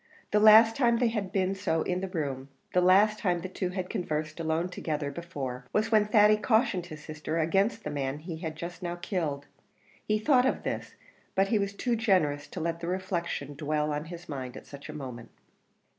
The last time they had been so in that room the last time the two had conversed alone together before, was when Thady cautioned his sister against the man he just now killed; he thought of this, but he was too generous to let the reflection dwell on his mind at such a moment.